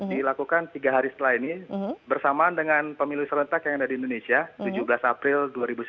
dilakukan tiga hari setelah ini bersamaan dengan pemilu serentak yang ada di indonesia tujuh belas april dua ribu sembilan belas